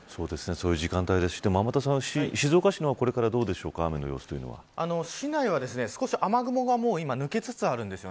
そういう時間帯ですし静岡市はこれから雨の様子は市内は少し雨雲が抜けつつあるんです。